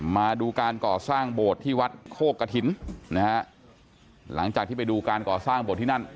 มาดูการก่อสร้างโบสถ์ที่วัดโคกฐินนะฮะหลังจากที่ไปดูการก่อสร้างโบสถที่นั่น